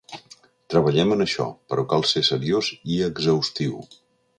Treballem en això, però cal ser seriós i exhaustiu.